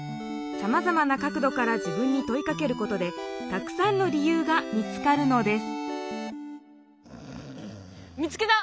さまざまな角どから自分にといかけることでたくさんの理由が見つかるのです見つけた！